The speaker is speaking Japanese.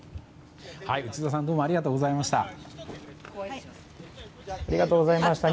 内田さんどうもありがとうございました。